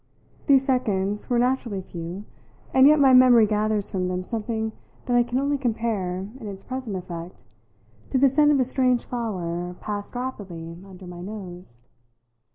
These seconds were naturally few, and yet my memory gathers from them something that I can only compare, in its present effect, to the scent of a strange flower passed rapidly under my nose.